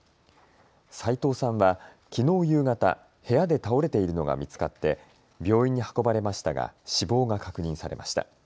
齋藤さんはきのう夕方、部屋で倒れているのが見つかって病院に運ばれましたが死亡が確認されました。